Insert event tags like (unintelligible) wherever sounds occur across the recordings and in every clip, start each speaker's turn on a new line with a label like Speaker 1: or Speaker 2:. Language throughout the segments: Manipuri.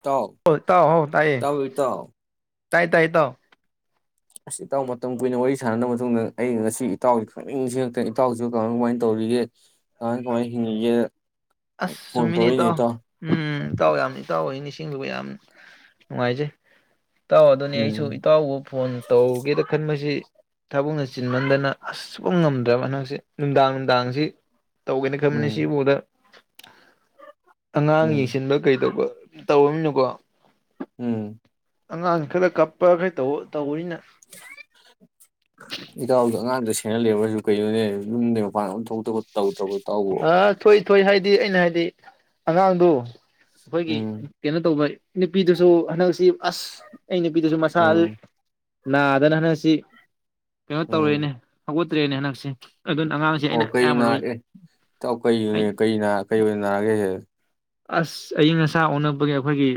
Speaker 1: ꯏꯇꯥꯎ
Speaker 2: ꯑ ꯇꯥꯎ ꯑꯧ ꯇꯥꯏꯌꯦ꯫
Speaker 1: ꯏꯇꯥꯎ ꯏꯇꯥꯎ
Speaker 2: ꯇꯥꯏ ꯇꯥꯏ ꯏꯇꯥꯎ꯫
Speaker 1: ꯑꯁ ꯏꯇꯥꯎ ꯃꯇꯝ ꯀꯨꯏꯅ ꯋꯥꯔꯤ ꯁꯥꯟꯅꯗꯕ ꯃꯇꯨꯡꯗ ꯑꯩ ꯉꯁꯤ ꯏꯇꯥꯎꯁꯤ ꯈꯪꯅꯤꯡꯅꯤꯡ ꯁꯤꯡ ꯉꯛꯇꯅ ꯏꯇꯥꯎꯁꯤ ꯀꯃꯥꯏ ꯀꯃꯥꯏ ꯇꯧꯔꯤꯒꯦ ꯀꯃꯥꯏ ꯀꯃꯥꯏꯅ ꯍꯤꯡꯉꯒꯦꯅ
Speaker 2: ꯑꯁ ꯆꯨꯝꯃꯤꯅꯦ ꯇꯥꯎ ꯍꯝ (unintelligible) ꯇꯥꯎ ꯑꯩꯅ ꯅꯤꯡꯁꯤꯡꯂꯨꯕ ꯌꯥꯝ ꯅꯨꯡꯉꯥꯏꯖꯩ꯫ ꯇꯥꯎ ꯑꯗꯨꯅꯦ ꯑꯩꯁꯨ
Speaker 1: ꯎꯝ
Speaker 2: ꯏꯇꯥꯎꯕꯨ ꯐꯣꯟ ꯇꯧꯒꯦꯗ ꯈꯟꯕꯁꯤ ꯊꯕꯛꯅ ꯆꯤꯟꯃꯟꯕꯅ ꯑꯁ (unintelligible) ꯉꯃꯗ꯭ꯔꯕ ꯅꯣꯁꯦ ꯅꯨꯡꯗꯥꯡ ꯅꯨꯡꯗꯥꯡ ꯖꯤ ꯇꯧꯒꯦꯅ ꯈꯟꯃꯅꯤ
Speaker 1: ꯎꯝ
Speaker 2: ꯁꯤꯕꯨꯗ ꯑꯉꯥꯡ
Speaker 1: ꯎꯝ
Speaker 2: ꯌꯦꯡꯁꯤꯟꯕ ꯀꯩꯗꯧꯕ ꯇꯧ (unintelligible)
Speaker 1: ꯎꯝ꯫
Speaker 2: ꯑꯉꯥꯡ ꯈꯔ ꯀꯞꯄ ꯈ ꯇꯧꯕ ꯇꯧꯕꯅꯤꯅ
Speaker 1: ꯏꯇꯥꯎꯗꯣ ꯑꯉꯥꯡꯗ ꯁꯦꯅꯂꯤꯕꯔꯁꯨ ꯀꯩꯅꯣꯅꯦ ꯌꯨꯝꯗꯩ ꯃꯄꯥꯟꯗ ꯑꯃ ꯊꯣꯛꯇ ꯈꯣ ꯇꯧꯗ꯭ꯔꯕꯣ ꯏꯇꯥꯎꯕꯣ꯫
Speaker 2: (unintelligible) ꯍꯥꯏꯗꯤ ꯑꯩꯅ ꯍꯥꯏꯗꯤ ꯑꯉꯥꯡꯗꯨ ꯑꯩꯈꯣꯏꯒꯤ
Speaker 1: ꯎꯝ
Speaker 2: ꯀꯩꯅꯣ ꯇꯧꯕ ꯅꯨꯄꯤꯗꯨꯁꯨ ꯍꯟꯗꯛꯁꯤ ꯑꯁ ꯑꯩ ꯅꯨꯄꯤꯗꯁꯨ ꯃꯁꯥ
Speaker 1: ꯎꯝ
Speaker 2: ꯅꯗꯅ ꯍꯟꯅꯁꯤ ꯀꯩꯅꯣ
Speaker 1: ꯎꯝ
Speaker 2: ꯇꯧꯔꯅꯦ ꯍꯧꯒꯠ (unintelligible) ꯍꯟꯅꯁꯤ ꯑꯗꯨꯅ ꯑꯉꯥꯡꯁꯦ ꯑꯩꯅ ꯑꯌꯥꯝꯕ ꯂꯣꯏ
Speaker 1: ꯇꯥꯎ ꯀꯩ
Speaker 2: ꯑꯩ
Speaker 1: (unintelligible) ꯀꯩꯅ ꯀꯩꯑꯣꯏꯅ ꯅꯥꯔꯒꯦꯍꯦ
Speaker 2: ꯑꯁ ꯑꯏꯤꯡ ꯑꯁꯥ ꯑꯣꯟꯕꯒꯤ ꯑꯩꯈꯣꯏꯒꯤ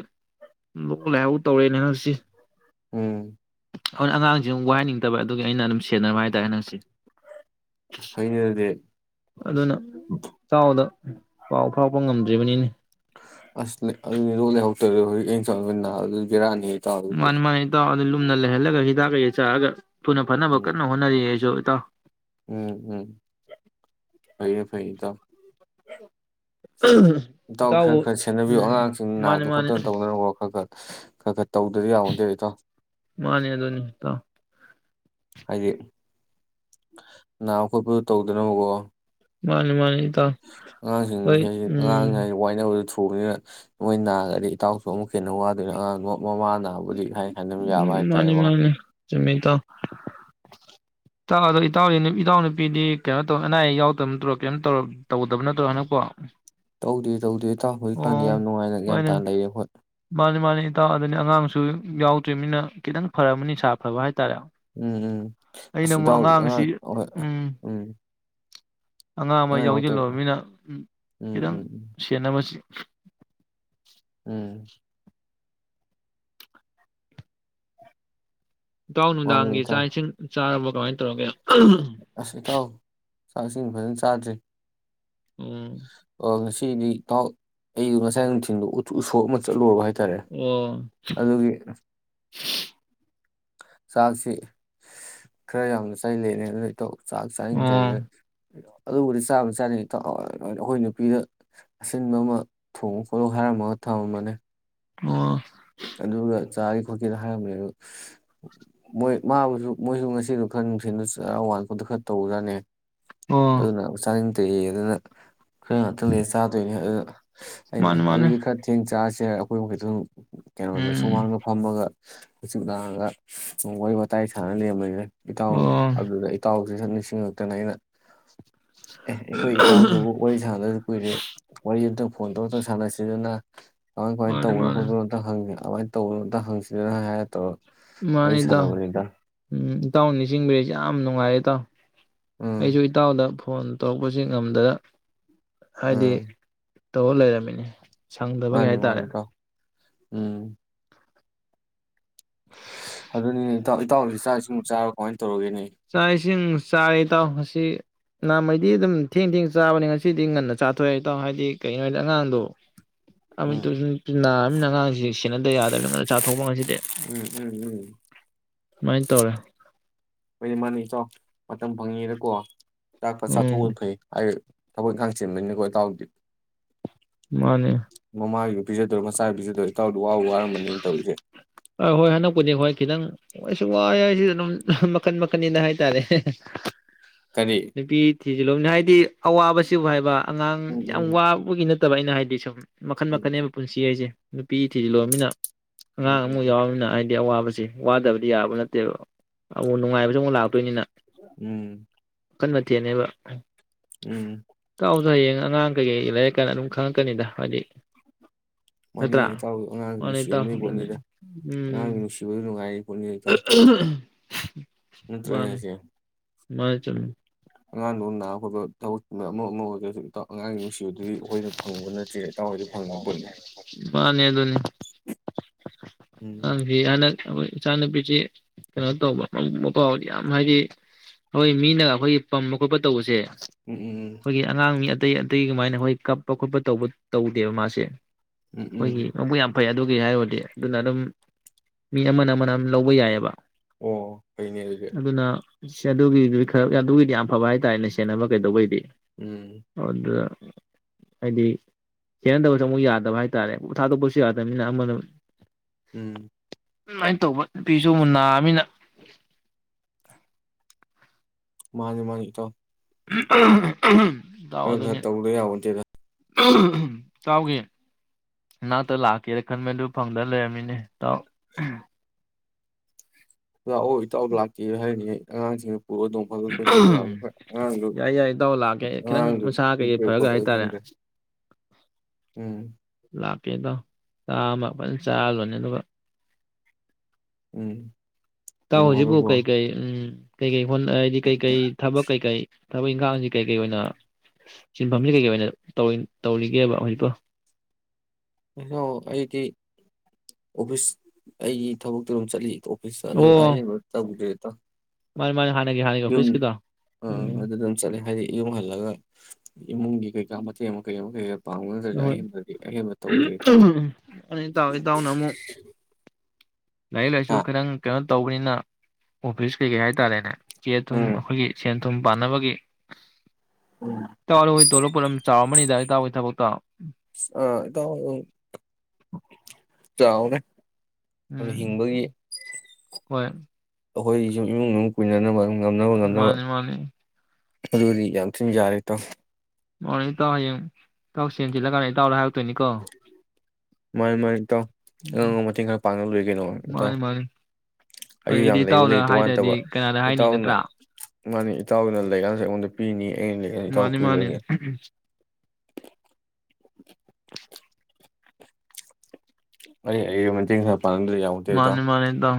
Speaker 2: ꯂꯣꯛ ꯂꯥꯏꯍꯥꯎ ꯇꯧꯔꯦꯅꯦ ꯍꯟꯅꯁꯤ
Speaker 1: ꯎꯝ
Speaker 2: ꯍꯣꯏ ꯑꯉꯥꯡꯁꯦ ꯑꯃꯛ ꯋꯥꯏꯍꯟꯅꯤꯡꯗꯕ ꯑꯗꯨꯒꯤ ꯑꯩꯅ ꯑꯗꯨꯝ ꯁꯦꯟꯅꯕ ꯍꯥꯏꯇꯥꯔꯦ ꯍꯟꯗꯛꯁꯦ꯫
Speaker 1: ꯑꯁ ꯐꯩꯅꯦ ꯑꯗꯨꯗꯤ
Speaker 2: ꯑꯗꯨꯅ ꯇꯥꯎꯗ ꯄꯥꯎ ꯐꯥꯎꯄ ꯉꯝꯗ꯭ꯔꯤꯕꯅꯤꯅꯦ
Speaker 1: ꯑꯁ ꯑꯗꯨꯅꯤ ꯂ‌ꯣꯛꯂꯥꯏꯍꯧ ꯇꯧꯔꯤꯗ‌ꯣ ꯍꯧꯖꯤꯛ (unintelligible) ꯅꯕꯗꯨ ꯕ‌ꯦꯔꯥꯅꯤ
Speaker 2: ꯃꯅꯦ ꯃꯅꯦ ꯏꯇꯥꯎ ꯂꯨꯝꯅ ꯂꯩꯍꯜꯂꯒ ꯍꯤꯗꯥꯛ ꯀꯩ-ꯀꯩ ꯆꯔꯒ ꯊꯨꯟꯅ ꯐꯅꯕ
Speaker 1: ꯎꯝ
Speaker 2: ꯀꯟꯅ ꯍ‌ꯣꯠꯅꯔꯤꯌ‌ꯦ ꯑꯩꯁꯨ ꯏꯇꯥꯎ
Speaker 1: ꯎꯝ ꯎꯝ ꯐꯌꯦ ꯐꯌ‌ꯦ ꯏꯇꯥꯎ ꯏꯇꯥꯎ
Speaker 2: ꯏꯇꯥꯎꯕꯨ
Speaker 1: ꯈꯔ ꯈꯔ ꯁꯦꯟꯅꯕꯤꯌꯨ
Speaker 2: ꯎꯝ
Speaker 1: ꯑꯉꯥꯡꯁꯤꯡ
Speaker 2: ꯃꯥꯅꯤ
Speaker 1: ꯅꯥꯗ
Speaker 2: ꯃꯥꯅꯤ
Speaker 1: ꯈꯣꯠꯇꯅ ꯇꯧꯅꯔ ꯈꯔ ꯈꯔ ꯀꯒꯠ ꯇꯧꯗ꯭ꯔꯗꯤ ꯌꯥꯕ‌ꯣꯟꯇ‌ꯦ ꯏꯇꯥꯎ
Speaker 2: ꯃꯥꯅꯤ ꯑꯗꯨꯅꯤ ꯏꯇꯥꯎ
Speaker 1: ꯍꯥꯏꯗꯤ ꯅꯥꯕ ꯈꯣꯠꯄꯗꯨ ꯇꯧꯗꯅꯕꯀꯣ
Speaker 2: ꯃꯥꯅꯤ ꯃꯥꯅꯤ ꯏꯇꯥꯎ ꯍꯣꯏ
Speaker 1: ꯑꯉꯥꯡꯁꯤꯡꯁꯤꯗꯤ
Speaker 2: ꯎꯝ
Speaker 1: ꯑꯉꯥꯡ ꯍꯥꯏ ꯋꯥꯏꯅꯕꯗꯨ ꯊꯨ ꯄꯨꯅꯤꯅ ꯅꯣꯏ ꯅꯥꯔꯒꯗꯤ ꯏꯇꯥꯎꯁꯨ ꯑꯃꯨꯛ ꯍꯦꯟꯅ ꯋꯥꯗꯣꯏꯅ ꯑꯉꯥꯡꯗꯣ ꯃꯃꯥꯅꯕꯨꯗꯤ ꯍꯥꯏ ꯍꯥꯏꯅ ꯌꯥꯕ
Speaker 2: ꯃꯥꯅꯤ
Speaker 1: ꯍꯥꯏꯇꯥꯔꯦꯀꯣ
Speaker 2: ꯃꯥꯅꯤ ꯆꯨꯝꯃꯤ ꯏꯇꯥꯎ ꯑꯗꯣ ꯏꯇꯥꯎꯗꯤ ꯏꯇꯥꯎ ꯅꯨꯄꯤꯗꯤ ꯀꯩꯅꯣ ꯇꯧ ꯑꯅꯥ ꯑꯌꯦꯛ ꯌꯥꯎꯗꯕ ꯅꯠꯇ꯭ꯔꯣ ꯀꯩꯝ ꯇꯧꯔꯝ ꯇꯧꯗꯕ ꯅꯠꯇ꯭ꯔꯣ ꯍꯟꯗꯛꯄꯣ ꯑꯣ
Speaker 1: ꯇꯧꯗꯦ ꯇꯧꯗꯦ ꯏꯇꯥꯎ ꯍꯧꯖꯤꯛꯀꯥꯟꯗꯤ ꯌꯥꯝ ꯅꯨꯡꯉꯥꯏꯅ ꯒ꯭ꯌꯥꯟ
Speaker 2: ꯍꯣꯏꯅꯦ
Speaker 1: ꯇꯥꯅ ꯂꯩꯔꯦ ꯑꯩꯈꯣꯏ
Speaker 2: ꯃꯥꯅꯤ ꯃꯥꯅꯤ ꯏꯇꯥꯎ ꯑꯗꯅꯤ ꯑꯉꯥꯡ ꯨ ꯌꯥꯎꯗ꯭ꯔꯤꯕ ꯃꯤꯅ ꯈꯤꯇꯪ ꯐꯔꯝꯃꯅꯤ ꯁꯥ ꯐꯕ ꯍꯥꯏꯔꯦ
Speaker 1: ꯎꯝ ꯎꯝ ꯑꯁ ꯏꯇꯥꯎ
Speaker 2: ꯑꯉꯥꯡꯁꯤ
Speaker 1: ꯑꯉꯥꯡ ꯍ‌ꯣꯏ ꯑꯥ ꯎꯝ꯫
Speaker 2: ꯑꯉꯥꯡ ꯑꯃ ꯌꯥꯎꯁꯤꯜꯂꯨꯕꯅꯤꯅ
Speaker 1: ꯎꯝ
Speaker 2: ꯈꯤꯇꯪ
Speaker 1: ꯎꯝ ꯎꯝ
Speaker 2: ꯁꯦꯟꯅꯕꯁꯤ
Speaker 1: ꯎꯝ
Speaker 2: ꯏꯇꯥꯎ
Speaker 1: ꯃꯥꯅꯤ
Speaker 2: ꯅꯨꯡꯗꯥꯡꯒꯤ ꯆꯥꯛ
Speaker 1: ꯏꯇꯥꯎ
Speaker 2: ꯏꯁꯤꯡ ꯆꯥꯔꯕ‌ꯣ ꯇꯧꯔꯒ‌ꯦ
Speaker 1: ꯆꯥꯛꯁꯤ ꯐꯖꯅ ꯆꯥꯗ꯭ꯔꯤ
Speaker 2: ꯎꯝ
Speaker 1: ꯁꯤꯗꯤ ꯏꯇꯥꯎ ꯑꯩ ꯉꯁꯥꯏ ꯅꯨꯡꯊꯤꯟꯗꯣ ꯎ ꯎꯁꯣ ꯑꯃ ꯆꯠꯂꯨꯔꯕ ꯍꯥꯏ ꯆꯔꯦ
Speaker 2: ꯑꯣ
Speaker 1: ꯑꯗꯨꯒꯤ ꯆꯥꯁꯤ ꯈꯔ ꯌꯥꯝꯅ ꯆ ꯈꯜꯂꯤꯅ‌ꯦ‌ꯑꯗꯨꯅ ꯏꯇꯥꯎ ꯆꯥꯛ
Speaker 2: ꯑꯣ ꯑꯣ
Speaker 1: ꯆꯥꯅꯤꯡꯗ꯭ꯔ‌ꯦꯗ ꯑꯗꯨꯕꯨꯗꯤ ꯆꯥꯝꯃ ꯆꯥꯅꯤꯅꯤ ꯑꯩꯈꯣꯏ ꯅꯨꯄꯤꯗ ꯑꯁꯤꯟꯕ ꯑꯃ ꯊꯣꯡꯉꯣ ꯈꯣꯠꯂ‌ꯣ ꯍꯥꯏꯔꯝꯃꯒ ꯊꯝꯃꯝꯃꯥꯅꯤ
Speaker 2: ꯑꯣ
Speaker 1: ꯑꯗꯨꯒ ꯆꯥꯔꯤ ꯈꯣꯠꯀꯦꯗ ꯍꯥꯏꯔꯝꯅꯦ ꯑꯗꯨ ꯃꯣꯏ ꯃꯥꯕꯨꯁꯨ ꯃꯣꯏꯁꯨ ꯉꯁꯤꯗꯨ ꯈꯔ ꯅꯨꯡꯊꯤꯟꯗ ꯆꯥꯔ ꯋꯥꯟ ꯈꯣꯠꯇ ꯈꯔ ꯇꯧꯕꯖꯥꯠꯅꯤ
Speaker 2: ꯑꯣ
Speaker 1: ꯑꯗꯨꯅ ꯆꯅꯤꯡ (unintelligible) ꯍꯣꯔꯦꯟ ꯉꯥꯛꯇꯪ ꯂꯩꯔ ꯆꯥꯗꯣꯏꯅꯦ ꯑꯗꯨꯅ ꯑꯩꯅ
Speaker 2: ꯃꯥꯅꯤ ꯃꯥꯅꯤ
Speaker 1: ꯑꯗꯨꯗꯤ ꯈꯔ ꯊꯦꯡ ꯆꯥꯔꯁꯤ꯫ (unintelligible) ꯑꯩꯈꯣꯏ ꯑꯍꯨꯝ ꯈꯇꯪ ꯀꯩꯅꯣꯗ
Speaker 2: ꯎꯝ
Speaker 1: ꯁꯨꯃꯥꯡꯗ ꯐꯝꯃꯒ ꯍꯪꯆꯤꯇ ꯂꯥꯡꯉꯒ ꯋꯥꯔꯤ ꯋꯥꯇꯥꯏ ꯁꯥꯟꯅꯔ ꯂꯩꯔꯝꯕꯅꯤꯗ ꯫ ꯏꯇꯥꯎ
Speaker 2: ꯑꯣ
Speaker 1: ꯑꯗꯨꯗ ꯏꯇꯥꯎ (unintelligible) ꯅꯤꯡꯁꯤꯡꯉꯛꯇꯅ ꯑꯩꯅ ꯑꯦ ꯑꯩꯈꯣꯏ ꯏꯇꯥꯎꯗꯕꯨ ꯋꯥꯔꯤ ꯁꯥꯟꯅꯗꯕꯁꯨ ꯀꯨꯏꯔꯦ ꯋꯥꯔꯤ ꯑꯝꯇ ꯐꯣꯟꯗꯣ ꯑꯝꯇ ꯁꯥꯟꯅꯁꯤꯗꯅ꯫ ꯀꯃꯥꯏ ꯀꯃꯥꯢ
Speaker 2: ꯃꯥꯅꯤ
Speaker 1: ꯇꯧꯕꯅꯣ
Speaker 2: ꯃꯥꯅꯤ
Speaker 1: ꯈꯣꯠꯄꯅꯣ ꯑꯗꯨꯃꯥꯏꯅ ꯇꯧ ꯑꯝꯇ ꯍꯪꯁꯤꯅꯦ ꯍꯥꯏꯔ ꯇꯧꯔꯣ
Speaker 2: ꯃꯥꯅꯤ ꯏꯇꯥꯎ ꯏꯇꯥꯎꯅ ꯅꯤꯡꯁꯤꯡꯕꯤꯔꯤꯁꯦ ꯌꯥꯝ ꯌꯥꯝ ꯅꯨꯡꯉꯥꯏꯔꯦ ꯏꯇꯥꯎ ꯫
Speaker 1: ꯎꯝ
Speaker 2: ꯑꯩꯖꯨ ꯏꯇꯥꯎꯗ ꯐꯣꯟ ꯇꯧꯕꯖꯤ ꯉꯝꯗꯕ ꯍꯥꯏꯗꯤ
Speaker 1: ꯎꯝ
Speaker 2: ꯇꯧꯔ ꯂꯩꯔꯃꯤꯅꯦ꯫ ꯁꯪꯗꯕꯩꯅꯤ
Speaker 1: ꯃꯥꯅꯤ ꯃꯥꯅꯤ
Speaker 2: ꯍꯥꯏꯇꯥꯔꯦ꯫
Speaker 1: ꯏꯇꯥꯎ ꯎꯝ꯫ ꯑꯗꯨꯅꯤꯅꯦ ꯏꯇꯥꯎ ꯏꯇꯥꯎꯗꯤ ꯆꯥꯛ ꯏꯁꯤꯡꯕꯨ ꯆꯥꯔꯕꯣ꯫
Speaker 2: ꯆꯥꯛ ꯏꯁꯤꯡ ꯆꯥꯔꯦ ꯢꯇꯥꯎ ꯉꯁꯤ ꯅꯃꯩꯗꯤ ꯑꯗꯨꯝ ꯊꯦꯡ ꯊꯦꯡ ꯆꯥꯕꯅꯦ ꯉꯁꯤꯗꯤ ꯉꯟꯅ ꯆꯥꯊꯣꯛꯑꯦ ꯏꯇꯥꯎ ꯍꯥꯏꯗꯤ ꯀꯩꯍꯥꯏꯅꯤ ꯑꯉꯥꯡꯗꯣ (unintelligible)
Speaker 1: ꯎꯝ
Speaker 2: ꯇꯁꯨ ꯅꯨꯄꯤ ꯅꯥꯔꯕꯅꯤꯅ ꯑꯉꯥꯡꯁꯤ ꯁꯦꯟꯅꯗꯕ ꯌꯥꯗꯕꯅꯤꯅꯅ ꯆꯥꯊꯣꯛꯑꯕ ꯉꯁꯤꯗꯤ꯫
Speaker 1: ꯎꯝ ꯎꯝ ꯎꯝ
Speaker 2: ꯑꯗꯨꯃꯥꯢ ꯇꯧꯔꯦ꯫
Speaker 1: (unintelligible) ꯃꯥꯅꯤ ꯏꯇꯥꯎ ꯃꯇꯝ ꯐꯪꯉꯤꯉꯩꯗꯀꯣ ꯆꯥꯛ ꯐꯠ ꯆꯥꯊꯣꯛ
Speaker 2: ꯎꯝ
Speaker 1: ꯍꯧꯕꯅ ꯐꯩ ꯍꯥꯏ ꯊꯕꯛ ꯏꯡꯈꯥꯡ ꯆꯤꯟꯕꯅꯤꯅ ꯏꯇꯥꯎꯗꯤ
Speaker 2: ꯃꯥꯅꯦ
Speaker 1: ꯄꯤꯖꯗꯧ ꯆꯥꯛ ꯄꯤꯖꯕꯗ ꯏꯇꯥꯎꯕꯨ ꯋꯥꯕꯨ ꯋꯥꯔꯝꯒꯅꯤ ꯇꯧꯔꯤꯖꯦ꯫
Speaker 2: ꯈꯤꯗꯪ (unintelligible) ꯑꯗꯨꯝ ꯃꯈꯟ ꯃꯈꯟꯅꯦ ꯍꯥꯏꯇꯥꯔꯦ꯫
Speaker 1: ꯀꯔꯤ
Speaker 2: ꯅꯨꯄꯤ ꯊꯤ (unintelligible) ꯍꯥꯏꯗꯤ ꯑꯋꯥꯕꯁꯤꯕꯨ ꯍꯥꯏꯕ ꯑꯉꯥꯡ
Speaker 1: ꯎꯝ
Speaker 2: ꯌꯥꯝ
Speaker 1: ꯎꯝ
Speaker 2: ꯋꯥꯕꯒꯤ ꯅꯠꯇ ꯐꯠꯇꯕ ꯑꯩꯅ ꯍꯥꯏꯗꯤ ꯁꯨꯝ ꯃꯈꯟ
Speaker 1: ꯎꯝ
Speaker 2: ꯃꯈꯅꯦꯅꯦꯕ ꯄꯨꯟꯁꯤ ꯑꯩꯁꯦ ꯅꯨꯄꯤ ꯊꯤꯖꯤꯜꯂꯣꯃꯤꯅ
Speaker 1: ꯎꯝ
Speaker 2: ꯑꯉꯥꯡ ꯑꯃ
Speaker 1: ꯎꯝ
Speaker 2: ꯌꯥꯎꯔꯃꯤꯅ ꯍꯥꯏ ꯗꯤ ꯑꯋꯥꯕꯕꯁꯤꯦ ꯋꯥꯗꯕꯗꯤ ꯌꯥꯕ ꯅꯠꯇꯦꯕ ꯑꯃꯨꯛ ꯅꯨꯡꯉꯥꯏꯕꯁꯨ ꯑꯃꯨꯛ ꯂꯥꯛꯇꯣꯏꯅꯤꯅ
Speaker 1: ꯎꯝ
Speaker 2: ꯑꯀꯟ ꯃꯊꯦꯟꯅꯦꯕ
Speaker 1: ꯎꯝ
Speaker 2: ꯇꯥꯎꯖꯥꯏꯉ ꯑꯉꯥꯡ ꯀꯩꯀꯩ ꯂꯩꯔꯛ ꯀꯥꯟꯅ ꯑꯗꯨꯝ ꯈꯪꯉꯛꯀꯅꯤꯗ ꯍꯥꯏꯗꯤ
Speaker 1: ꯃꯥꯅꯤꯅꯦ
Speaker 2: ꯅꯠꯇ꯭ꯔꯥ
Speaker 1: ꯏꯇꯥꯎ ꯑꯉꯥꯡꯁꯨ
Speaker 2: ꯃꯥꯅꯦ ꯏꯇꯥꯎ
Speaker 1: ꯅꯨꯡꯁꯤꯔꯝꯗꯣꯏ
Speaker 2: ꯑꯗꯨꯅꯤ
Speaker 1: ꯄꯣꯠꯅꯤꯗ
Speaker 2: ꯎꯝ
Speaker 1: ꯑꯉꯥꯡꯒꯤ ꯅꯨꯡꯁꯤꯕꯗꯨ ꯅꯨꯡꯉꯥꯏꯔꯤ ꯄꯣꯠꯅꯤ ꯏꯇꯥꯎ ꯅꯠꯇ꯭ꯔ ꯏꯁꯦ
Speaker 2: ꯃꯥꯥꯏ ꯆ
Speaker 1: ꯑꯉꯥꯡꯗꯨꯈ ꯑꯃ ꯑꯃꯨꯛ ꯑꯉꯥꯡꯒꯤ ꯅꯨꯡꯁꯤꯕꯗꯨꯗꯤ ꯑꯩꯈꯣꯏꯅ ꯐꯪꯕ ꯅꯠꯇꯦ ꯏꯇꯥꯎ ꯍꯣꯏꯗꯤ ꯐꯪꯉꯕ ꯄꯣꯠꯅꯤ
Speaker 2: (inaudible) ꯃꯥꯅꯤ ꯑꯗꯨꯅꯤ
Speaker 1: ꯎꯝ
Speaker 2: ꯑꯪꯗꯤ (unintelligible) ꯏꯆꯥꯅꯨꯄꯤꯁꯤ ꯀꯩꯅꯣ ꯇꯧꯕ ꯃꯨꯞ ꯃꯄꯄꯥ ꯌꯥꯝ ꯍꯥꯏꯗꯤ ꯑꯩꯈꯣꯏ ꯃꯤꯅꯒ ꯑꯩꯈꯣꯏꯒꯤ ꯄꯝꯕ ꯈꯣꯠꯄ ꯇꯧꯕꯁꯦ
Speaker 1: ꯎꯝ ꯎꯝ
Speaker 2: ꯑꯩꯈꯣꯏꯒꯤ ꯑꯉꯥꯡ ꯃꯤ ꯑꯇꯩ ꯑꯇꯩ ꯀꯃꯥꯏꯅ ꯍꯈꯣꯏ ꯀꯞꯄ ꯈꯣꯠꯄ ꯇꯧꯕ ꯇꯧꯗꯦꯕ ꯃꯥꯁꯦ
Speaker 1: ꯎꯝ ꯎꯝ
Speaker 2: ꯍꯣꯏꯒꯤꯕꯨ ꯌꯥꯝ ꯐꯩ ꯑꯗꯨꯒꯤ ꯍꯥꯏꯔꯗꯤ ꯑꯗꯨꯅ ꯑꯗꯨꯝ ꯃꯤ ꯑꯃꯅ ꯑꯃꯅ ꯂꯧꯕ ꯌꯥꯏꯑꯕ
Speaker 1: ꯑꯣ ꯐꯩꯅꯦꯒꯦ
Speaker 2: ꯑꯗꯨꯅ ꯑꯗꯨꯒꯤꯗꯤ ꯈꯔ ꯑꯗꯨꯒꯤꯗꯤ ꯌꯥꯝ ꯐꯕ ꯍꯥꯏꯇꯥꯔꯦꯅꯦ ꯁꯦꯟꯅꯕ ꯀꯩꯗꯧꯕꯩꯗꯤ
Speaker 1: ꯎꯝ
Speaker 2: ꯍꯗ ꯍꯥꯏꯗꯤ ꯈꯦꯅꯗꯕꯁꯨ ꯑꯃꯨꯛ ꯌꯥꯗꯕ ꯍꯥꯏꯇꯥꯥꯔꯦ ꯊꯥꯗꯣꯛꯄꯁꯨ ꯌꯥꯗꯕꯅꯤꯅ ꯑꯃꯅ
Speaker 1: ꯎꯝ
Speaker 2: ꯑꯗꯨꯃꯥꯏꯅ ꯇꯧꯕ ꯅꯨꯄꯤꯁꯨ ꯑꯃꯨꯛ ꯅꯥꯃꯤꯅ
Speaker 1: ꯃꯥꯅꯦ ꯃꯥꯅꯤꯇ
Speaker 2: ꯎ ꯎ ꯎꯝ
Speaker 1: ꯈꯔ ꯈꯔ ꯇꯧꯗ ꯌꯥꯔꯠꯇꯦꯗ
Speaker 2: ꯇꯥꯎꯈꯤ ꯏꯅꯥꯛꯇ ꯂꯥꯛꯀꯦꯅ ꯈꯟꯕꯗꯨ ꯐꯪꯗꯅ ꯂꯩꯔꯝꯃꯤꯅꯦ ꯇꯥꯎ
Speaker 1: ꯂꯥꯛꯑꯣ ꯏꯇꯥꯎ ꯂꯥꯛꯇꯦ ꯍꯥꯏꯅꯤ ꯑꯉꯥꯡꯁꯤꯡ ꯄ ꯑꯗꯨꯝ ꯐ ꯀꯣꯏꯁꯤꯜꯂꯛꯄ ꯌꯥꯅꯤ ꯍꯣꯏ ꯑꯉꯥꯡꯁꯨ
Speaker 2: ꯌꯥꯏ ꯌꯥꯏ ꯏꯇꯥꯎ ꯂꯥꯛꯀꯦ ꯈꯤꯇꯪ
Speaker 1: ꯑꯉꯥꯡꯁꯨ
Speaker 2: ꯃꯁꯥ ꯀꯩꯀꯩ ꯐꯔꯒ ꯍꯥꯏꯇꯥꯔꯦ
Speaker 1: ꯈꯪꯗꯦ ꯎꯝ
Speaker 2: (unintelligible) ꯆꯥꯛ ꯑꯃ ꯐꯖꯟꯅ ꯆꯥꯔ ꯂꯣꯏꯔꯦ ꯑꯗꯨꯒ
Speaker 1: ꯎꯝ
Speaker 2: ꯇꯥꯎ
Speaker 1: ꯅꯣꯡ
Speaker 2: ꯍꯧꯖꯤꯛꯄꯨ
Speaker 1: ꯐꯥꯗꯣꯛꯀꯣ
Speaker 2: ꯀꯩ ꯀꯩ ꯎꯝ ꯀꯩꯀꯩ ꯍꯥꯏꯗꯤ ꯀꯩꯀꯩ ꯊꯕꯛ ꯀꯩꯀꯩ ꯊꯕꯛ ꯏꯪꯈꯥꯡ ꯁꯦ ꯀꯩꯀꯩ ꯑꯣꯏꯅ ꯁꯤꯟꯐꯝꯁꯤ ꯀꯩꯀꯩ ꯑꯣꯏꯅ ꯇꯧꯔꯤ ꯇꯧꯔꯤꯒꯦꯕ ꯍꯧꯖꯤꯛꯄꯣ
Speaker 1: ꯀꯩꯅꯣ ꯑꯩꯗꯤ ꯑꯣꯐꯤꯁ ꯑꯩꯒꯤ ꯊꯕꯛꯇꯨ ꯑꯗꯨꯝ ꯆꯠꯂꯤ ꯏꯁ ꯑꯗꯣ ꯑꯍꯩꯕ ꯇꯧꯗꯦ ꯑ
Speaker 2: ꯃꯥꯅꯤ ꯃꯥꯅꯤ ꯍꯥꯏ ꯍꯥꯟꯅꯒꯤ ꯑꯣꯐꯤꯁ ꯀꯤꯗꯣ ꯎꯝ
Speaker 1: ꯑꯗꯨ ꯑꯗꯨꯝ ꯆꯠꯂꯦ ꯍꯥꯏꯗꯤ ꯌꯨꯝ ꯍꯜꯂꯒ ꯏꯃꯨꯡꯒꯤ ꯀꯩꯀꯥ ꯃꯇꯦꯡ ꯑꯃ ꯀꯩ ꯑꯃ ꯀꯩꯀꯩ ꯄꯥꯝꯅꯗ꯭ꯔꯁꯨ
Speaker 2: ꯍꯣꯏ
Speaker 1: ꯑꯍꯦꯟꯕꯗꯤ ꯑꯍꯦꯟꯕ ꯇꯧꯗꯦꯀꯣ
Speaker 2: ꯑꯗꯨ ꯏꯇꯥꯎ ꯏꯇꯥꯎꯅ ꯑꯃꯨꯛ ꯂꯥꯏꯔꯤꯛ ꯂꯩꯁꯨ ꯈꯇꯪ ꯀꯩꯅꯣ ꯇꯧꯕꯅꯤꯅ ꯑꯣꯐꯤꯁ ꯀꯩꯀꯩ ꯍꯥꯏꯇꯥꯔꯦꯅꯦ ꯆꯦ ꯊꯨꯝ
Speaker 1: ꯎꯝ
Speaker 2: ꯑꯩꯈꯣꯏꯒꯤ ꯁꯦꯟ ꯁꯨꯝ ꯄꯥꯟꯅꯕꯒꯤ ꯇꯥꯎ ꯑꯗꯨꯒꯤ ꯇꯣꯂꯞ ꯄꯣꯠꯂꯝ ꯆꯥꯎꯔꯝꯃꯅꯤꯗ ꯏꯇꯥꯎꯒꯤ ꯊꯕꯛꯇꯣ
Speaker 1: ꯑꯥ ꯏꯇꯥꯎ ꯎꯝ ꯇꯥꯎꯅꯦ
Speaker 2: ꯎꯝ ꯍꯣꯏ
Speaker 1: ꯑꯩꯈꯣꯏꯁꯨ ꯏꯃꯨꯡ ꯃꯅꯨꯡ ꯄꯨꯏꯅꯅꯕ
Speaker 2: ꯃꯥꯅꯤ ꯃꯥꯅꯤ
Speaker 1: ꯑꯗꯨꯗꯤ ꯌꯥꯝ ꯊꯤꯅ ꯌꯥꯔꯦ ꯏꯇꯥꯎ
Speaker 2: ꯃꯥꯅꯤ ꯏꯇꯥꯎ ꯍꯌꯦꯡ ꯏꯇꯥꯎ ꯁꯦꯟ ꯆꯤꯜꯂꯀꯥꯟꯗ ꯏꯇꯥꯎꯗ ꯇꯣꯏꯅꯤꯀꯣ
Speaker 1: ꯃꯥꯅꯤ ꯃꯥꯅꯤ ꯏꯇꯥꯎ ꯑꯉꯝ ꯑꯉꯝꯕ ꯃꯇꯦꯡ ꯈꯔ ꯄꯥꯡꯅ ꯂꯣꯏꯔꯦ ꯀꯩꯅꯣ ꯏꯇꯥꯎ
Speaker 2: ꯃꯥꯅꯤ ꯃꯥꯅꯤ
Speaker 1: ꯑꯩꯁꯨ
Speaker 2: ꯑꯩꯗꯤ
Speaker 1: ꯌꯥꯝ ꯂꯩꯕ
Speaker 2: ꯏꯇꯥꯎꯗ
Speaker 1: ꯂꯩꯇꯕꯩ
Speaker 2: ꯍꯥꯏꯗ꯭ꯔꯗꯤ
Speaker 1: ꯋꯥꯅꯠꯇꯕ
Speaker 2: ꯀꯅꯥꯗ ꯍꯥꯏꯅꯤ
Speaker 1: ꯏꯇꯥꯎꯅ
Speaker 2: ꯅꯠꯇ꯭ꯔꯥ
Speaker 1: ꯃꯥꯅꯤ ꯏꯇꯥꯎꯅ ꯂꯩꯔꯤꯀꯥꯟꯅꯁꯨ ꯑꯩꯉꯣꯟꯗ ꯄꯤꯅꯤ ꯑꯩꯅ ꯂꯩꯀꯥꯟꯗ ꯏꯇꯥꯎ
Speaker 2: ꯃꯥꯅꯤ
Speaker 1: ꯄꯤ
Speaker 2: ꯃꯥꯅꯤ
Speaker 1: ꯂꯣꯏꯔꯦ ꯑꯩ ꯑꯩꯒꯤ ꯃꯇꯦꯡ ꯈꯔ ꯄꯥꯡꯅꯕꯗ ꯌꯥꯝ ꯃꯇꯦꯡ ꯏꯇꯥꯎ
Speaker 2: ꯃꯥꯅꯦ ꯃꯥꯅꯦ ꯏꯇꯥꯎ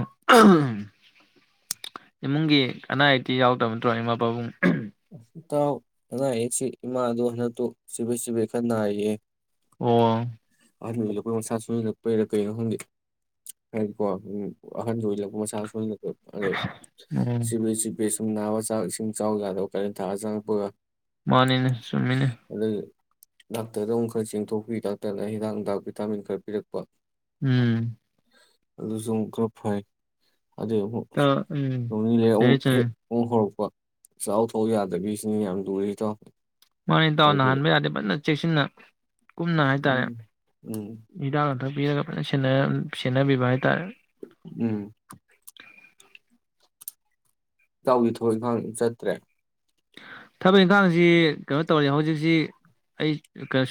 Speaker 2: ꯏꯃꯨꯡꯒꯤ ꯑꯅꯥ ꯑꯌꯦꯛꯇꯤ ꯌꯥꯎꯗꯕ ꯅꯠꯇ꯭ꯔꯣ ꯏꯃꯥ ꯄꯥꯕꯨꯡ
Speaker 1: (inaudible) ꯏꯇꯥꯎ ꯑꯅꯥ ꯑꯌꯦꯛꯁꯤ ꯏꯃꯥꯗꯣ ꯍꯟꯗꯛꯇꯨ ꯆꯤꯕꯦꯠ ꯆꯤꯕꯦꯠ ꯈꯔ ꯅꯥꯔꯤꯌꯦ
Speaker 2: ꯑꯣ
Speaker 1: ꯑꯍꯟꯗ ꯑꯣꯏꯜꯂꯛꯄ ꯃꯁꯥ ꯁꯣꯏꯁꯤꯜꯂꯛꯄꯩꯔꯥ ꯀꯩꯅꯣ ꯈꯪꯗꯦ ꯍꯥꯏꯗꯤꯀꯣ ꯎ ꯑꯍꯟꯗ ꯑꯣꯏꯜꯂꯛꯄ ꯃꯁꯥ ꯁꯣꯏꯖꯤꯜꯂꯛꯄ
Speaker 2: ꯎꯝ
Speaker 1: ꯁꯤꯃꯦꯟꯁꯤ ꯁ ꯅꯥꯕ ꯆꯥꯛ ꯏꯁꯤꯡ ꯆꯥꯎ ꯌꯥꯗꯧ ꯀ ꯊꯥꯖꯪ ꯄꯨ (inaudible)
Speaker 2: ꯃꯥꯅꯤꯅ ꯆꯨꯝꯃꯤꯅ
Speaker 1: ꯗꯥꯛꯇꯔꯗ ꯑꯃꯨꯛ ꯈꯔ ꯆꯦꯡꯊꯣꯛꯄꯤ ꯗꯥꯛꯇꯔꯅ ꯍꯤꯗ ꯍꯤꯗꯥꯛ ꯚꯤꯇꯥꯃꯤꯟ ꯈꯔ ꯄꯤꯔꯛꯄ
Speaker 2: ꯎꯝ
Speaker 1: ꯑꯗꯨ ꯁ ꯀ꯭ꯔꯞ ꯐ ꯑꯗꯨꯢ ꯑꯃꯨꯛ
Speaker 2: ꯏꯇꯥꯎ ꯎꯝ
Speaker 1: ꯅꯣꯡꯅꯤ ꯂꯩꯔ
Speaker 2: ꯆꯨꯝꯃꯤ
Speaker 1: ꯑꯃꯨꯛ
Speaker 2: ꯆꯨꯝꯃꯤ
Speaker 1: ꯍꯦꯛ ꯑꯃꯨꯛ ꯍꯧꯔꯛꯄ ꯁꯥꯎꯠ ꯐꯧ ꯌꯥꯗꯕꯤꯁꯤꯅꯤ ꯌꯥꯝ ꯂꯨꯔꯤꯗꯣ
Speaker 2: ꯃꯅꯤ ꯇ ꯅꯍꯥꯟ ꯌꯥꯗꯦ ꯆꯦꯁꯤꯟꯅ ꯀꯨꯝꯅ ꯍꯥꯏꯇꯥꯔꯦ
Speaker 1: ꯎꯝ ꯎꯝ
Speaker 2: ꯍꯤꯗꯥꯛ ꯂꯥꯡꯊꯛ ꯁꯅꯔ ꯁꯅꯕꯤꯕꯥꯍꯤ
Speaker 1: ꯎꯝ ꯏꯇꯥꯎꯒꯤ ꯊꯕꯛ ꯏꯈꯥꯡ ꯆꯠꯇ꯭ꯔꯦ
Speaker 2: ꯊꯕꯛ ꯏꯪꯈꯥꯡꯁꯤ ꯀꯩꯅꯣ ꯇꯧꯔꯤ ꯍꯧꯖꯤꯛꯁꯤ ꯑꯩ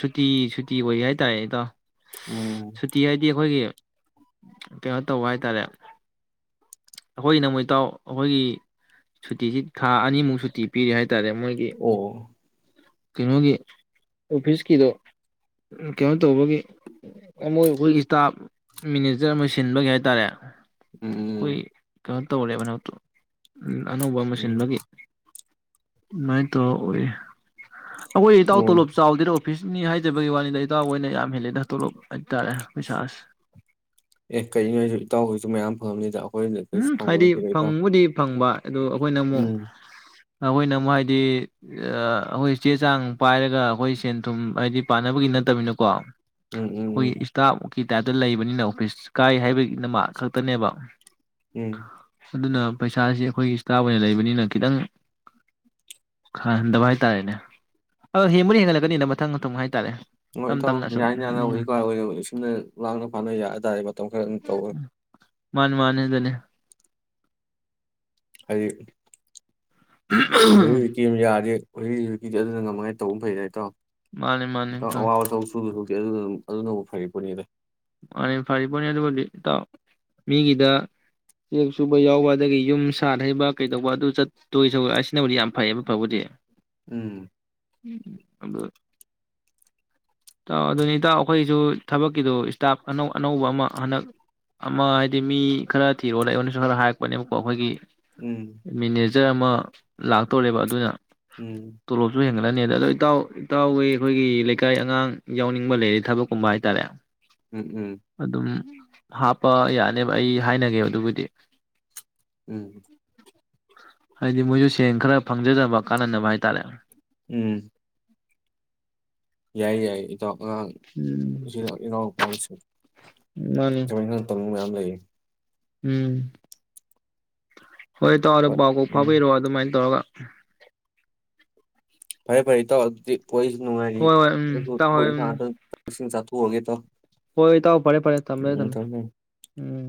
Speaker 2: ꯁꯨꯇꯤ ꯁꯨꯇꯤ ꯑꯣꯏ ꯍꯥꯏ ꯇꯔꯦ ꯏꯗꯣ
Speaker 1: ꯎꯝ
Speaker 2: ꯁꯨꯇꯤ ꯍꯥꯏꯗꯤ ꯑꯩꯈꯣꯏꯒꯤ ꯀꯩꯅꯣ ꯇꯧꯕ ꯍꯥꯏꯇꯥꯥꯔꯦ ꯑꯩꯈꯣꯏꯒꯤꯅ ꯃꯣꯏ ꯏꯇꯥꯎ ꯑꯩꯈꯣꯏꯒꯤ ꯁꯨꯇꯤꯁꯤ ꯊꯥ ꯑꯅꯤꯃꯨꯛ ꯁꯨꯇꯤ ꯄꯤꯔꯦ ꯍꯥꯏ ꯇꯥꯔꯦ ꯃꯣꯏꯒꯤ
Speaker 1: ꯑꯣ
Speaker 2: ꯀꯩꯅꯣꯒꯤ ꯑꯣꯐꯤꯁꯀꯤꯗꯣ ꯀꯩꯅꯣ ꯇꯧꯕꯒꯤ ꯑꯃꯣꯏ ꯑꯩꯈꯣꯏ ꯏꯁꯇꯥꯞ ꯃꯦꯅꯦꯖꯔ ꯑꯃ ꯁꯤꯟꯕꯒꯤ ꯍꯥꯏꯇꯥꯔꯦ ꯑꯣꯏ
Speaker 1: ꯎꯝ
Speaker 2: ꯀ (inaudible) ꯎꯝ ꯑꯅꯧꯕ ꯑꯃ
Speaker 1: ꯎꯝ ꯎꯝ
Speaker 2: ꯁꯤꯟꯕꯒꯤ ꯅꯗꯨ ꯃꯥꯏ ꯇꯧꯑꯣꯏ ꯑꯩꯈꯣꯏ ꯏꯇꯧ
Speaker 1: ꯑꯣ
Speaker 2: ꯇꯣꯂꯞ ꯆꯥꯎꯗꯦ ꯐꯤꯁꯅꯤ ꯍꯥꯏꯖꯕꯒꯤ ꯋꯥꯅꯤꯗ ꯏꯇꯥꯎꯕ ꯑꯣꯏꯅ ꯌꯥꯝ ꯍꯦꯜꯂꯦꯗ ꯇꯣꯂꯣꯞ ꯍꯥꯏꯇꯥꯔꯦ ꯄꯩꯁꯥꯁꯦ
Speaker 1: ꯑꯦ ꯀꯩꯅꯣ ꯍꯥꯏꯁꯦ ꯏꯇꯥꯎ ꯈꯣꯏꯁꯨ ꯃꯌꯥꯝ ꯐꯪꯉꯝ ꯅꯤꯗ ꯑꯩꯈꯣꯏꯗ ꯀꯔꯤꯁꯨ
Speaker 2: ꯎꯝ
Speaker 1: ꯐꯪꯕ
Speaker 2: ꯍꯥꯏꯗꯤ
Speaker 1: ꯅꯠꯇꯦ ꯗ ꯏꯇꯥꯎ
Speaker 2: ꯐꯪꯕꯨꯗꯤ ꯐꯪꯕ ꯑꯗꯨ ꯑꯩꯈꯣꯏꯅ ꯑꯃꯨꯛ
Speaker 1: ꯎꯝ
Speaker 2: ꯑꯩꯈꯣꯏꯅ ꯑꯃꯨꯛ ꯍꯥꯏꯗꯤ ꯑꯩꯈꯣꯏ ꯆꯦ ꯆꯥꯡ ꯄꯥꯏꯔꯒ ꯑꯩꯈꯣꯏ ꯁꯦꯟ ꯊꯨꯝ ꯍꯥꯏꯗꯤ ꯄꯥꯅꯕꯒꯤ ꯅꯠꯇꯕꯅꯀꯣ
Speaker 1: ꯎꯝ ꯎꯝ ꯎꯝ
Speaker 2: ꯀꯤ ꯇꯥꯏꯞꯇ ꯂꯩꯕꯅꯤꯅ ꯑꯣꯐꯤꯁ ꯀꯥꯏ ꯍꯥꯏꯕꯒꯤ ꯅꯃꯥ ꯈꯛꯇꯅꯦꯕ
Speaker 1: ꯎꯝ
Speaker 2: ꯑꯗꯨꯅ ꯄꯩꯁꯥꯁꯤ ꯑꯩꯈꯣꯏꯒꯤ ꯏꯁꯇꯥꯐ ꯑꯣꯏꯅ ꯂꯩꯕꯅꯤꯅ ꯈꯤꯇꯪ ꯈꯪꯍꯟꯗꯕ ꯍꯥꯏꯇꯥꯔꯦꯅꯦ ꯑꯗꯣ ꯍꯦꯟꯕꯨꯗꯤ ꯍꯦꯟꯒꯠꯂꯛꯀꯅꯤꯗ ꯃꯊꯪ ꯃꯊꯪ ꯍꯥꯏꯇꯥꯔꯦ
Speaker 1: ꯍꯣꯏ
Speaker 2: ꯇꯞ
Speaker 1: ꯏꯇꯥꯎ
Speaker 2: ꯇꯞꯅ ꯁꯨꯝ
Speaker 1: ꯌꯥꯅ ꯌꯥꯅꯕ
Speaker 2: ꯎꯝ
Speaker 1: (unintelligible) ꯂꯥꯡꯅ ꯐꯥꯅ ꯌꯥꯏ ꯍꯥꯏꯇꯥꯔꯦ ꯃꯇꯝ ꯈꯔ ꯑꯗꯨꯝ ꯇꯧꯒꯗ
Speaker 2: ꯃꯥꯅ ꯃꯥꯅ‌ꯦ ꯗꯨꯅꯦ
Speaker 1: ꯍꯥꯏꯗꯤ ꯍꯧꯖꯤꯛ ꯍꯩꯖꯤꯛꯀꯤ ꯗꯨꯝ ꯌꯥꯗꯤ ꯍꯨꯖꯤꯛ ꯍꯨꯖꯤꯛꯀꯤꯗꯤ ꯑꯗꯨꯅ ꯉꯝꯃꯉꯥꯏ ꯇꯧꯕ ꯐꯩ ꯏꯇꯥꯎ
Speaker 2: ꯃꯥꯅꯤ ꯃꯥꯅꯤ
Speaker 1: ꯏꯇꯥꯎ ꯑꯋꯥꯕ ꯊꯕꯛ ꯁꯨꯗꯧ ꯁꯔꯨꯛ ꯑꯗꯨ ꯑꯗꯨꯅꯕꯨ ꯐꯔꯤꯄꯣꯠꯅꯤꯗ
Speaker 2: ꯃꯥꯅꯤ ꯐꯔꯤꯄ‌ꯣꯠꯅꯤ ꯑꯗꯨꯕꯨꯗꯤ ꯏꯇꯥꯎ ꯃꯤꯒꯤꯗ ꯆꯦꯛ ꯁꯨꯕ ꯌꯥꯎꯕ ꯑꯗꯒꯤ ꯌꯨꯝ ꯁꯥꯠ ꯍꯩꯕ ꯀꯩꯗꯧꯕ ꯑꯗꯨ ꯆꯠꯇꯣꯏ ꯁꯔꯨꯛ ꯑꯁꯤꯅꯕꯨꯗꯤ ꯌꯥꯝ ꯐꯩꯌꯦꯕ ꯐꯕꯨꯗꯤ
Speaker 1: ꯎꯝ
Speaker 2: ꯑꯗꯨ ꯏꯇꯥꯎ ꯑꯗꯨꯅꯤ ꯏꯇꯥꯎ ꯑꯩꯈꯣꯏꯁꯨ ꯊꯕꯛꯀꯤꯗꯨ ꯇꯥꯛꯁ ꯑꯅꯧ ꯑꯅꯧꯕ ꯑꯃ ꯍꯟꯗꯛ ꯑꯃ ꯍꯥꯏꯗꯤ ꯃꯤ ꯈꯔ ꯊꯤꯔꯣꯗ ꯑꯩꯉ‌ꯣꯟꯗꯁꯨ ꯈꯔ ꯍꯥꯏꯔꯛꯄꯅꯦꯕꯀꯣ ꯑꯩꯈꯣꯏꯒꯤ
Speaker 1: ꯎꯝ
Speaker 2: (unintelligible) ꯑꯃ ꯂꯥꯛꯇꯧꯔꯦꯕ ꯑꯗꯨꯅ
Speaker 1: ꯎꯝ
Speaker 2: ꯍꯒꯠꯂꯅꯤꯗ ꯑꯗꯣ ꯏꯇꯥꯎ ꯏꯇꯥꯎꯋ‌ꯣꯏ ꯑꯩꯈꯣꯏꯒꯤ ꯂꯩꯀꯥꯏ ꯑꯉꯥꯡ ꯌꯥꯎꯅꯤꯡꯕ ꯂꯩꯔꯦ ꯊꯕꯛꯀꯨꯝꯕ ꯍꯥꯏꯇꯥꯔꯦ
Speaker 1: ꯎꯝ ꯎꯝ
Speaker 2: ꯑꯗꯨꯝ ꯍꯥꯞꯄ ꯌꯥꯅꯦꯕ ꯑꯩ ꯍꯥꯏꯅꯒꯦ ꯑꯗꯨꯕꯨꯗꯤ
Speaker 1: ꯎꯝ
Speaker 2: ꯍꯥꯏꯗꯤ ꯃꯣꯏꯁꯨ ꯁꯦꯟ ꯈꯔ ꯐꯪꯖꯅꯕ ꯀꯥꯟꯅꯅꯕ ꯍꯥꯏꯇꯥꯔꯦ
Speaker 1: ꯎꯝ ꯌꯥꯏ ꯌꯥꯏꯌꯦ ꯏꯇꯥꯎ ꯑꯉꯥꯡ
Speaker 2: ꯎꯝ
Speaker 1: ꯑꯁꯤꯗ
Speaker 2: ꯃꯥꯅꯤ
Speaker 1: (unintelligible) ꯃꯌꯥꯝ ꯂꯩꯌꯦ
Speaker 2: ꯎꯝ ꯍꯣꯏ ꯏꯇꯥꯎ ꯑꯗꯣ ꯄꯥꯎ ꯀ‌ꯣꯛ ꯐꯥꯎꯕꯤꯔꯛꯑꯣ ꯑꯗꯨꯃꯥꯏꯅ ꯇꯧꯔꯒ (unintelligible)
Speaker 1: ꯐꯔꯦ ꯐꯔ‌ꯦ ꯏꯇꯥꯎ ꯑꯗꯨꯗꯤ ꯋꯥꯔꯤꯖꯨ ꯅꯨꯡꯉꯥꯏꯔꯤ
Speaker 2: ꯍꯣꯏ ꯍꯣꯏ ꯎꯝ
Speaker 1: ꯑꯩꯁꯨ
Speaker 2: ꯏꯇꯥꯎ
Speaker 1: ꯊꯕꯛ
Speaker 2: ꯍꯣꯏ ꯎꯝ
Speaker 1: ꯏꯪꯈꯥꯡ ꯑꯝꯇ ꯆꯥꯛ-ꯁꯤꯡ ꯆꯥ ꯇ‌ꯣꯛꯑꯒ‌ꯦ ꯏꯇꯥꯎ
Speaker 2: ꯍꯣꯏ ꯏꯇꯥꯎ ꯐꯔꯦ ꯐꯔꯦ ꯊꯝꯃꯦ ꯊꯝꯃꯦ ꯎꯝ